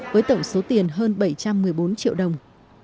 với tổng số tiền hơn bảy trăm một mươi bốn triệu đồng